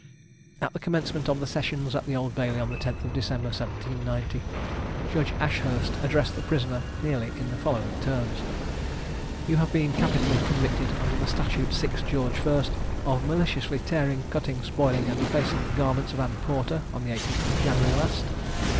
At the commencement of the sessions at the Old Bailey, on the 10th of December 1790, Judge Ashurst addressed the prisoner nearly in the following terms: "You have been capitally convicted, under the statute 6 George I., of maliciously tearing, cutting, spoiling, and defacing the garments of Anne Porter, on the 18th of January last.